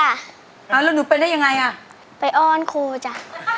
แล้วหนูเป็นได้ยังไงอ่ะไปอ้อนครูจ้ะ